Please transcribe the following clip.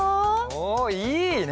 おおいいね！